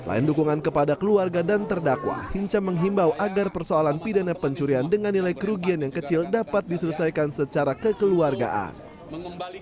selain dukungan kepada keluarga dan terdakwa hinca menghimbau agar persoalan pidana pencurian dengan nilai kerugian yang kecil dapat diselesaikan secara kekeluargaan